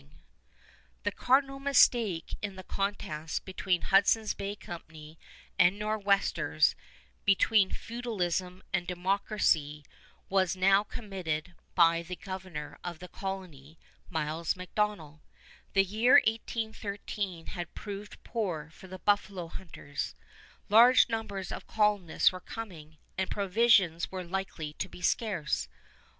[Illustration: FORT GARRY, RED RIVER SETTLEMENT] The cardinal mistake in the contest between Hudson's Bay Company and Nor'westers, between feudalism and democracy, was now committed by the governor of the colony, Miles MacDonell. The year 1813 had proved poor for the buffalo hunters. Large numbers of colonists were coming, and provisions were likely to be scarce.